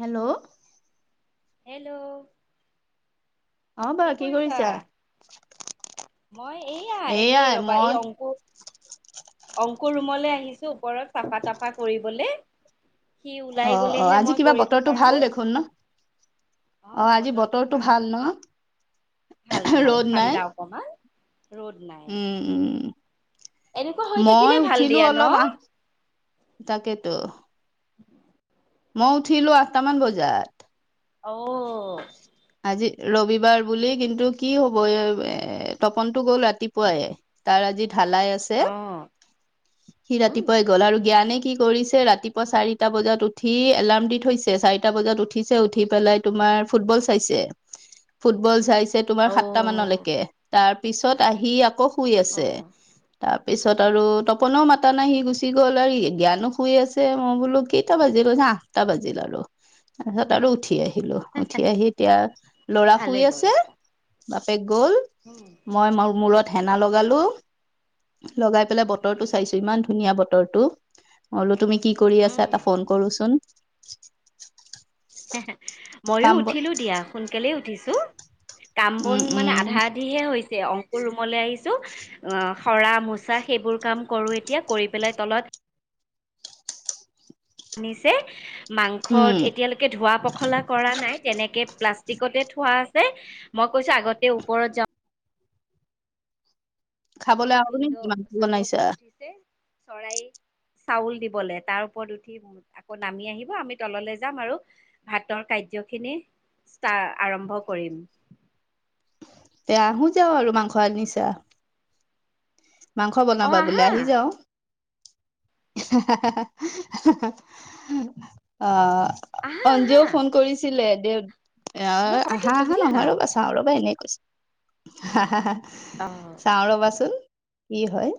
Hello hello অ বা কি কৰিছা? মই এইয়া এনেই এয়াই ৰবা মই এই অংকু অংকুৰ ৰুমলৈ আহিছো ওপৰত চাফা-তাফা কৰিবলে। সি ওলাই অ অ গলেহে আজি মই কিবা কৰিব বতৰটো পাৰো। ভাল দেখোন ন অ আজি বতৰটো ভাল ন ভাল ভাল ৰ'দ নাই ঠাণ্ডা অকমান। ৰ'দ নাই। উম উম এনেকুৱা হৈ থাকিলে মই ভাল উঠিলো দিয়া ন অলপ আহ, তাকেতো মই উঠিলো আঠটামান বজাত অ আজি ৰবিবাৰ বুলি কিন্তু কি হ'ব? এ এ তপনটো গ'ল ৰা ৰাতিপুৱাই, তাৰ আজি ঢালাই আছে। অ সি উম ৰাতিপুৱাই গ'ল আৰু জ্ঞানে কি কৰিছে? ৰাতিপুৱা চাৰিটা বজাত উঠি, এলাৰ্ম দি থৈছে। চাৰিটা বজাত উঠিছে উঠি পেলাই তোমাৰ ফুটবল চাইছে। ফুটবল চাইছে তোমাৰ অ সাতটা মানলৈকে তাৰ পিছত আহি আকৌ শুই অ আছে। তাৰ পিছত আৰু তপনেও মাতা নাই সি গুচি গ'ল আৰু জ্ঞানো শুই আছে মই বোলো কেইটা বাজিলে চা আঠটা বাজিল আৰু তাৰপিছত আৰু উঠি আহিলো। উঠি আহি এতিয়া লৰা ভালে শুই আছে কৰিছা বাপেক গল। উম মই মোৰ মূৰত হেনা লগালো লগাই পেলাই বতৰটো চাইছো ইমান ধুনীয়া বতৰ টো মই বুলো তুমি কি কৰি আছা উম এটা ফোন কৰোচোন মইও কাম উঠিলো দিয়া। সোনকালে উঠিছো কাম বন উম মানে উম আধা আধিহে হৈছে অং অংকো ৰুমলৈ আহিছো শৰা মোচা সেইবোৰ কাম কৰো এতিয়া কৰি পেলাই তলত আনিছে মাংস উম এতিয়ালৈকে ধোৱা পখলা কৰা নাই তেনেকে প্লাষ্টিকতে থোৱা মই কৈছো আগতে ওপৰত যাওঁ খাবলৈ আৰু নে ভিনদেউ মাংসটো চাদৰ ওপৰত বনাইছা উঠিছে চৰাই চাউল দিবলে। তাৰ ওপৰত উঠি আকৌ নামি আহিব আমি তললৈ যাম আৰু ভাতৰ কা খিনি ষ্টাৰ আৰম্ভ কৰিম এইয়া আহো যা আৰু মাংস আনিছা। মাংস অ বনাবা বোলে আহা আহি যাওঁ। হা হা অঁ আহা অঞ্জু আহা আও ফোন কৰিছিলে। দে অ ন সঁচাকে আহা কৈছো অহা গুচি আহা নহয় ৰ'বা চাওঁ ৰ'বা এনে। হা হা হ চাওঁ ৰবাচোন কি হয়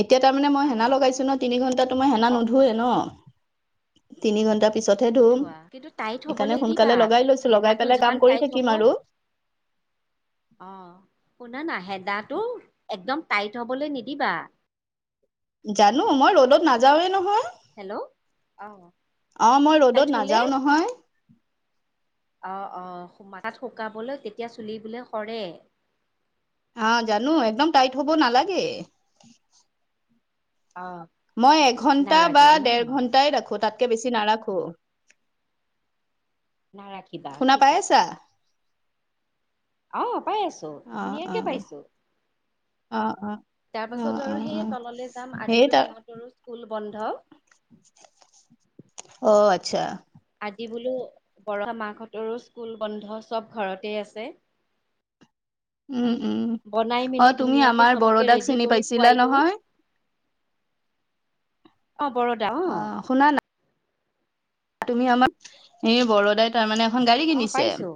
এতিয়া তাৰমানে মই অ অ হেনা লগাইছো ন তিনি ঘণ্টা তোমাৰ মই হেনা অ নুধোৱে ন তিনি ঘণ্টা পিছতহে ধুম নোধোৱা কিন্তু টাইট হ'বলৈ সেইকাৰণে নিদিবা সোনকালে লগাই লৈছো লগাই হেনাটো পেলাই যিমান কাম কৰি টাইট হ'ব থাকিম আৰু [unintelligible] অ শুন ন হে দ তটো একদম টাইট হ'বলৈ নিদিবা জানো মই ৰ'দত নাযাওৱে নহয় হেল্ল' অ অ মই টাইট ৰ'দত হ'লে নাযাও নহয়। অ অ মাথাত শুকাবলে, তেতিয়া চুলি বোলে সৰে। আহ জানো একদম টাইট হব নালাগে অ মই এঘন্টা বা নালাগে উম দেৰ ঘন্টাই ৰাখো তাতকে বেছি নাৰাখো না ৰাখিবা শুনা পাই ঠিকেই। আছা আহ পাই আছো অ অ ধুনীয়াকে অ পাইছো অ', অ', তাৰ অ', পাছত আৰু অ', সেই অ', তললৈ যাম সেই আজিতো তাৰ সিহঁতৰো স্কুল বন্ধ অ আচ্ছা য বোলো বৰষা মাকাহঁতৰো স্কুল বন্ধ চব ঘৰতে আছে উম উম বনাই অ মেলি তুমি ধুনীয়াকে আমাৰ চবকে বৰদাক ৰেডি চিনি কৰি খুৱাই পাইছিলা দিওঁ নহয় অ বৰদা অ শুনা না তুমি আমাক এই বৰোদাই তাৰমানে এখন গাড়ী অ কিনিছে পাইছো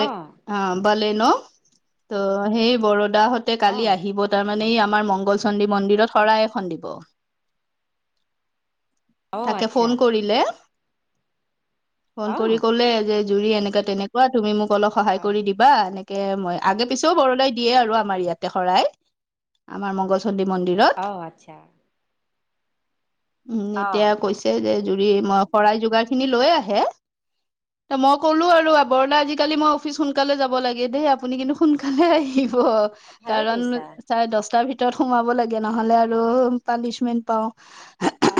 অ অ বলেন ত সেই বৰ সদাহতে [unintelligible] অ কালি আহিব তাৰমানে আমাৰ মংগল চন্দ্ৰী মন্দিৰত শৰাই এখন দিব। অ তাকে আচ্ছা ফোন কৰিলে ফোন অ কৰি কলে যে জুৰি এনেকা তেনেকুৱা তুমি মোক অলপ সহায় অ কৰি দিবা এ তাকে মই আগে পিছেও বৰদাই দিয়ে আৰু আমাৰ ইয়াতে শৰাই আমাৰ মংগল অ মন্দিৰত আচ্ছা উম অ এতিয়া কৈছে যে জুৰি মই শৰাই যোগাৰ খিনি লৈ আহে মই ক'লো আৰু বৰদা আজিকালি মই অফিচ সোনকালে যাব লাগে দেই আপুনি কিন্তু সোনকালে আহিব ভালে কাৰণ কৈছা চাৰে দহটাৰ ভিতৰত ভিতৰত সোমাব লাগে নহলে আৰু পানিচমেন্ট পাওঁ অ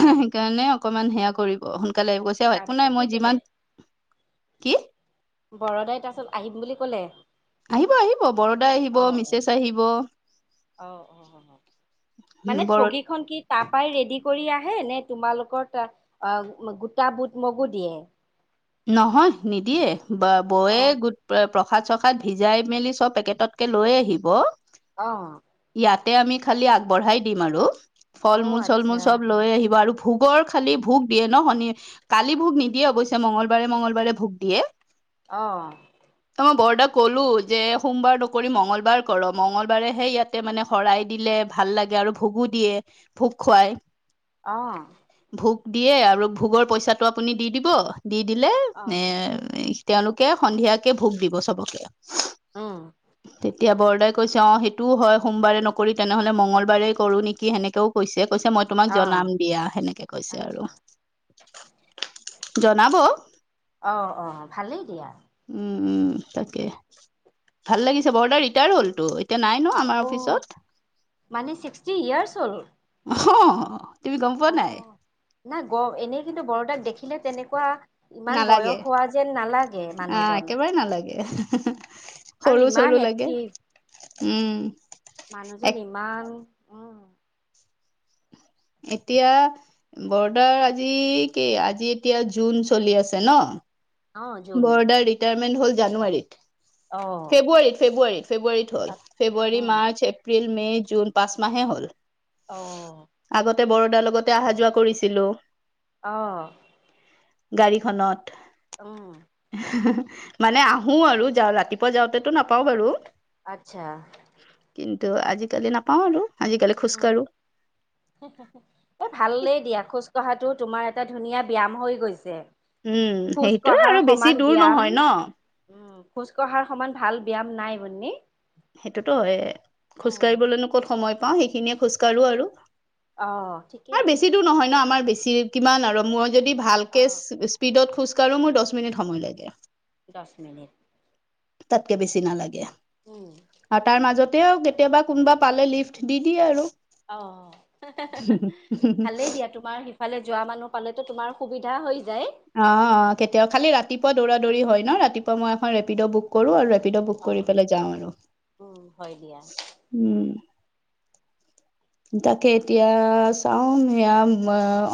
অকমান সেয়া কৰিব সোনকালে আহি গৈছে অ একো নাই তাৰপাছত কি মই কলে যিমান কি বৰদাই তাৰপিছত আহিম বুলি কলে আহিব আহিব বৰোদা আহিব অ অ মিছেছ আহিব অ অ অ মানে বৰ ঠগীখনন কি তাৰপৰাই ৰেডি কৰি আহে নে তোমালোকৰ ত গোটা বুট মগু দিয়ে। নহয় নিদিয়ে বা অ বযে গোট প্ৰসাদ চসাদ ভিজাই মেলি চব পেকেটতকে লৈ আহিব অ তেতিয়া খালী আগ বঢ়াই দিম আৰু অ ফল মূল চল মূল আচ্ছা সব লৈ আহিব আৰু ভোগৰ খালি ভোগ দিয়ে ন শনি কালি ভোগ নিদিয়ে অৱশ্যে মঙ্গলবাৰে মঙ্গলবাৰে ভোগ দিয়ে আহঁ ত মই বৰদাক ক'লো যে সোমবাৰ নকৰি মঙ্গলবাৰ কৰ মঙ্গলবাৰেহে ইয়াতে মানে শৰাই দিলে ভাল লাগে আৰু ভোগো দিয়ে ভোগ খুৱাই আহ ভোগ দিয়ে আৰু ভোগৰ পইচাটো আপুনি দি দিব দি দিলে অ এ তেওঁলোকে সন্ধিয়াকে ভোগ দিব চবকে উম তেতিয়া বৰ বৰদাই কৈছে অঁ সেইটোও হয় সোমবাৰে নকৰি তেনেহ'লে মঙ্গলবাৰেই কৰোঁ নেকি সেনেকেও কৈছে কৈছে মই তোমাক অ জনাম দিয়া সেনেকে কৈছে আৰু আচ্ছা জনাব অঁ অ ভালেই দিয়া উম উম তাকে। ভাল লাগিছে বৰা দা ৰিটায়াৰ হ'লতো। এতিয়া নাই ন আমাৰ অ', অফিচত। মানে ছিক্সটি ইয়াৰ্চ হ'ল অ তুমি গম পোৱা নাই অ'। নাই গ এনেই কিন্তু বৰদাক দেখিলে তেনেকুৱা। ইমান বয়স নালাগে হোৱা যেন নালাগে আহ মানুহজন। একেবাৰে নালাগে আৰু সৰু চৰু ইমান লাগে এক্টিভ। উম মানুহজন এক ইমান উম, এতিয়া বৰাদাৰ, আজি কি আজি এতিয়া জুন চলি আছে ন অ', জোন বৰদাৰ ৰিটায়াৰমেণ্ট হল জানুৱাৰীত অ', ফেব্ৰুৱাৰীত ফেব্ৰুৱাৰীত ফেব্ৰুৱাৰীত হয ফেব্ৰুৱাৰী, উম, মাৰ্চ, এপ্ৰিল মে', জুন পাঁচ মাহে হ'ল। আহ তে বৰদাৰ লগতে অহা যোৱা কৰিছিলো আহ গাড়ীখনত মানে আহো আৰু যা ৰাতিপুৱা যাওঁতেতো নাপাও বাৰু আতচ্ছা কিন্তু আজিকালি নাপাওঁ আৰু আজিকালি উম খোজকাঢ়ো এ ভালেই দিয়া খোজ- কহাটো তোমাৰ এটা ধুনীয়া ব্যায়াম হৈ গৈছে। উম খোজ সেইটোয়ে কঢ়াৰ আৰু বেছি সমান দূৰ বিয়াম। নহয় ন উম- খোজ কঢ়াৰ সমান ভাল ব্যায়াম নাই মুনমী সেইটোতো হয় খোজ কাঢ়িবলৈনো ক'ত সময় পাওঁ সেইখিনিয়ে খোজকাঢ়ো আৰু অঁ আৰু ঠিকেই বেছি দূৰ নহয় ন আমাৰ বেছি কিমান আৰু মই যদি ভালকে অ', স্পীডত খোজকাঢ়ো মোৰ দহ মিনিট সময় লাগে দহ মিনিট তাতকে বেছি নালাগে উম, আৰু তাৰ মাজত তেওঁ তেতিয়া কেতিয়াবা কোনোবা পালে লিফ্ট দি দিয়ে আৰু অ ভালেই দিয়া তোমাৰ। ইফালে যোৱা মানুহ পালেেতো তোমাৰ সুবিধা হৈ যায় অ অ কেতিয়াও খালি ৰাতিপুৱা দৌৰা দৌৰি হয় ন ৰাতিপুৱা মই এখন ৰেপিডো বুক কৰো আৰু বুক কৰি অ', পেলাই যাওঁ আৰু উম, হয় দিয়া উম তাকে এতিয়া চাও, সেয়া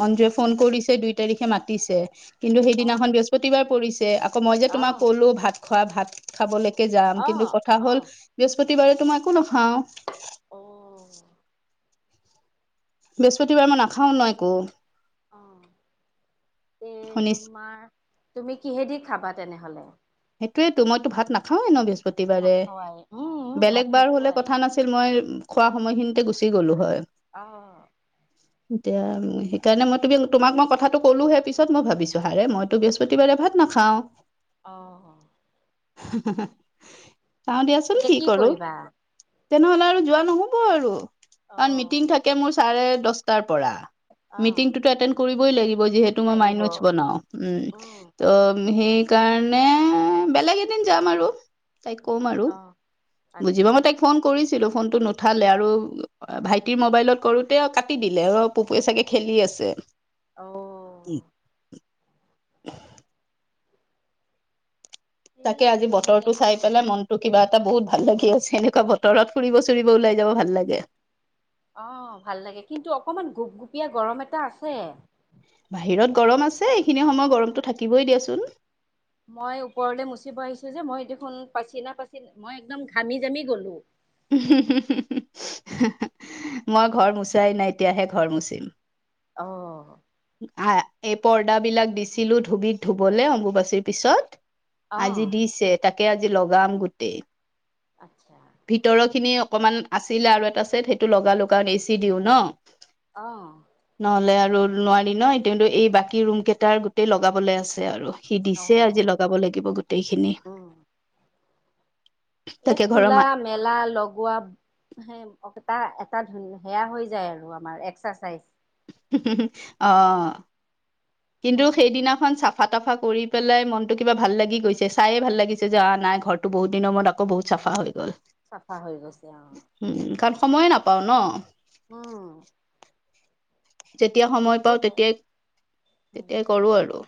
অঞ্জুৱে ফোন কৰিছে দুই তাৰিখে মাতিছে কিন্তু অ', সেইদিনাখন বৃহস্পতিবাৰ পৰিছে আকৌ মই যে তোমাক অ', কলো ভাত খোৱা ভাত খাবলৈ যাম কিন্তু অ', কথা হ'ল অ', বৃহস্পতিবাৰে তো মই একো নখাও অ বৃহস্পতিবাৰ মই নাখাও ন একো অ এ শুনিছ তোমাৰ তুমি কিহেদি খাবা তেনেহলে সেইটোৱেতো মই ভাত নাখাওঁ এই ন বি প্ৰতিবাৰে। নাখোৱাই উম, ভাত বেলেগ বাৰ হলে নোখোৱাই কথা নাছিল মই খোৱা সময়খিনিতে গুচি গলো হয় অঁ - এতিয়া সেই কাৰণে মই তমি তোমাক মই কথাটো ক'লোহে পিছত মই ভাবিছো হাৰে মইতো বৃহস্পতিবাৰে ভাত না খাওঁ অঁ অঁ - [unintelligible] চাওঁ দিয়াচোন এতিয়া কি কৰো কৰিবা? তেনেহ'লে আৰু যোৱা নহ'ব আৰু কাৰণ মিটিং অ', থাকে মোৰ চাৰে দশটাৰ পৰা অ', মিটিংটোতো এটেণ্ড কৰিবই লাগিব যিহেতু মই মাই লাগিব নোটছ বনাও উম, ত হেইকৰণেটো নে বেলেগ এদিন যাম আৰু? তাইক ক'ম আৰু, অ', বুজিব আচ্ছা মই তাইক ফোন কৰিছো ছিলো ফোন টো নুঠালে আৰু ভাইটিৰ মোবাইলত কৰোতে কাটি দিলে অ পপোএ চাগে খেলি আছে অ', [unintelligible] সেয়ে তাকে আৰু আজি নিমিলে বতৰটো টাইম। চাই পেলাই মনতটো কিবা এটা বহুত ভাল লাগি আছে এনেকুৱা বতৰত ফুৰিব চুৰিব ওলাই যাব ভাল লাগে অ ভাল লাগে কিন্তু অকমান গোপগুপীয়া গৰম এটা আছে বাহিৰত গৰম আছে এইখিনি সময় গৰমতটো থাকিবই দিয়াচোন মই ওপৰলৈ মুচিব আহিছো যে মই দেখোন পাচিনা পাচি মই একদম ঘামি জামি গলো [unintelligible] মই ঘৰ মুচাই নাই এতিয়াহে ঘৰ মোচিম অঁ আহ এই পৰ্দ বিলাক দিছিলো ধুবিত ধুবলে অম্বুবাচীৰ পিছত অ', আজি দিছে তাকে আজি লগাম গোটেই আত্ছা ভিতৰৰখিনি অকমান আছিলে আৰু এটা ছেট সেইটো লগা লগা এচি দিওঁ ন অঁ নহ'লে আৰু নোৱাৰি ন কিন্তু এই বাকী ৰুম কেইটাৰ গোটেই লগাবলৈ আছে আৰু সি দিছে আজি অ' লগাব লাগিব গোটেইখিনি উম এই তাকে ঘৰৰ খোলা মা মেলা লগোৱা। সেই এটা ধুন সেয়া হৈ যায় আৰু আমাৰ এক্সাৰচাইজ অ কিন্তু খোল সেইদিনাখন চাফা তাফা কৰি পেলাই মনটো কিবা ভাল লাগি গৈছে চায়ে ভাল লাগিছে যে আ নাই ঘৰটো বহুত দিনৰ মূৰত আকৌ বহুত চাফা হৈ গ'ল। চাফা হৈ গৈছে অঁ উম কাৰণ সময়ে নাপাওঁ ন অঁ যেতিয়া সময় পাওঁ তেতিয়াই, তেতিয়াই কৰো আৰু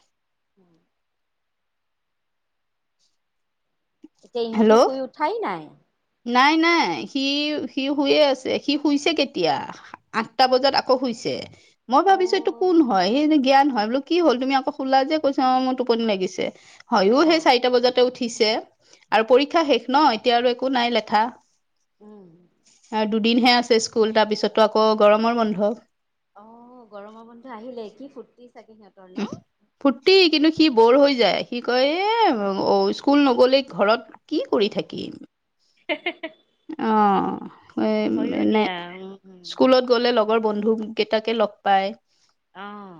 উম এতিয়া হেল্ল' ইহঁতি শুই উঠাই নাই। নাই নাই সি সি শুয়ে আছে সি শুইছে কেতিয়া? আঠটা বজাত আকৌ শু মই ভাবিছো এইটো কোন অ' হয়? সেই জ্ঞান হয় বোলো কি হ'ল তুমি আকৌ শুলা যে? কৈছে অ মোৰ টোপনি লাগিছে। হয়য়ো অ সেই চাৰিটা বজা উঠি উঠিছে। আৰু পৰীক্ষা শেষ ন এতিয়া আৰু একো নাই লেঠা উম আৰু দুদিনহে আছে স্কুল তাৰ পিছতো আকৌ গৰমৰ বন্ধ। অ গৰমৰ বন্ধু আহিলে কি ফুুৰ্তি উম ফূৰ্তি। কিন্তু সি বৰ হৈ যায় যাই। সি কয় এ অ স্কুল নগলে ঘৰত কি কৰি থাকিম? অ। হয়ো এনে দিয়া উম উম স্কুলত গলে লগ লগৰ বন্ধু কেইটাকে লগ পাই অঁ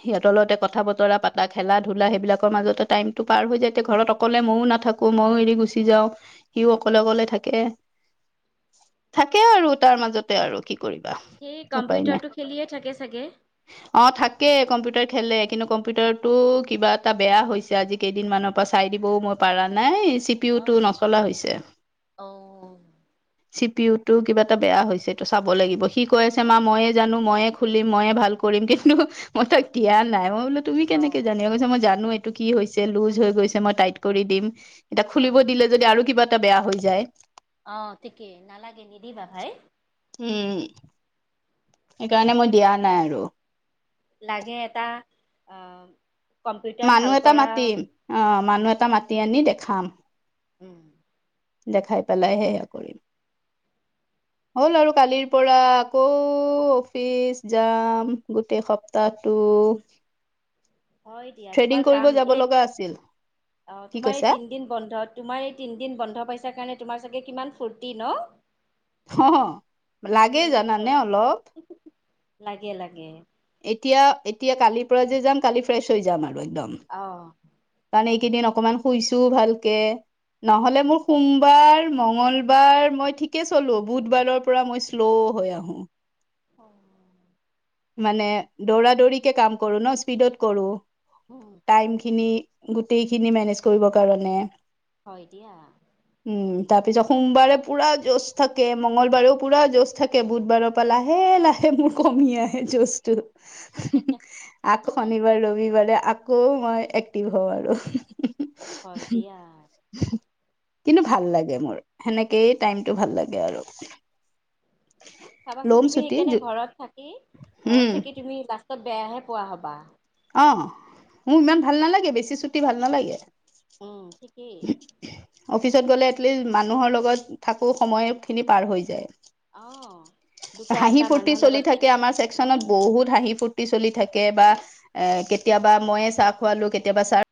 সিহঁতৰ লগতে কথা বতৰা পতা খেলা ধূলা সেইবিলাকৰ মাজতে টাইম টো পাৰ হৈ যায় এয়া ঘৰত অকলে ময়ো নাথাকো। মইও এৰি গুচি যাওঁ। সিও অকলে অকলে থাকে। থাকে আৰু তাৰ মাজতে আৰু কি কৰিবা সেই উপায় নাই। কম্পিউটাৰটো খেলিয়ে থাকে চাগে তাকে কম্পিউটাৰ খেলে কিন্তু কম্পিউটাৰটো কিবা এটা বেয়া হৈছে আজি কেইদিনমানৰ পৰা চাই দিবও মই পাৰা নাই অ চিপিওটো নচলা হৈছে। অ চি পি ইউ তো কিবা এটা বেয়া হৈছে এইটো চাব লাগিব। সি কৈ আছে মা ময়ে জানো ময়ে খুলিম ময়ে ভাল কৰি কৰিম কিন্তু মই তাক দিয়া নাই। মই বোলো তুমি অ কেনেকে জানো? কৈছে মই জানো এইটো কি হৈছে? লুজ হৈ গৈছে মই টাইট কৰি দিম। এতিয়া অ খুলিব দিলে যদি আৰু কিবা বেয়া হৈ যায়। অ ঠিকেই নালাগে নিদিবা ভাই। উম। সেইকাৰণে মই দিয়া নাই আৰু অঁ মানুহ এটা মাতিম। অ মানুহ উম এটা মাতি আনি দেখাম উম দেখাই পেলাই সেয়া কৰিম হ'ল আৰু কালিৰ পৰা আকৌ অফিচ যাম গোটেই সপ্তাহ [unintelligible] হয় দিয়া তোমাৰ থ্ৰেডিং কৰিব কাম যাব এই লগা আছিল। অ কি তোমাৰ এই কৈছা তিনদিন বন্ধ। তোমাৰ এই তিনদিন বন্ধ পাইছাৰ কাৰণে তোমাৰ চাগে কিমান ফূুৰ্তি ন? অ লাগে তিনদিন জানানে অলপ। লাগে লাগে- এতিয়া এতিয়া কালিৰ পৰা যে যাম কালি ফ্ৰেছ হৈ যাম আৰু একদম অ কাৰণ এইকেইদিন অকমান শুইছো ভালকে নহলে মোৰ সোমবাৰ মঙ্গলবাৰ মই ঠিকে চলো বুধবাৰৰ পৰা মই শ্ল' হৈ আহো অ মানে দৌৰা দৌৰিকে কাম কৰো ন। স্পীডত কৰো উম, টাইম খিনি গোটেই খিনি মেনেজ কৰিবৰ কাৰণে হয় দিয়া উম তাৰ পিছত সোমবাৰে পুৰা যছ থাকে মঙগলবাৰেও পুৰা যছ থাকে বুধবাৰৰ পৰা লাহে লাহে লাহে মোৰ কমি আহে যছটো। আকৌ শনিবাৰ ৰবিবাৰে আকৌ মই এক্টিভ হওঁ আৰু হয় দিয়া কিন্তু ভাল লাগে মোৰ সেনেকেই টাইমটো ভাল লাগে আৰু চাবাচোন ল'ম তুমি ছুটি সেইকাৰণে ঘৰত থাকি। উম ঘৰত থাকি তুমি লাষ্টত বেয়াহে পোৱা হবা। অ মোৰ ইমান ভাল নালাগে বেছি চুটি ভাল নালাগে উম, ঠিকেই অফিচত গ'লে এটলিষ্ট মানুহৰ লগত থাকো সময় খিনি পাৰ হৈ যায় অ'। দুটা হাঁহি এটা ফূুৰ্তি মানুহৰ চলি লগত কি থাকে আমাৰ ছেকশচনত উম, বহুত হাঁহি ফুুৰ্তি চলি থাকে বা এ কেতিয়াবা মইয়ে চাহ খুৱালো কেতিয়াবা চাহ